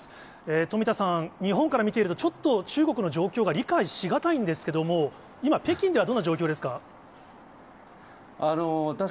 富田さん、日本から見ていると、ちょっと中国の状況が理解し難いんですけども、今、北京ではどんな状況ですか？